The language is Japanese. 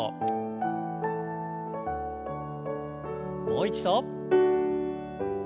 もう一度。